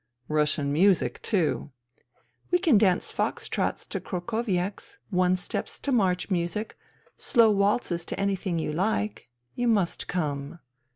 *' Russian music, too." *' We can dance fox trots to krokoviaks, one steps to march music, slow waltzes to anything you like. You must come."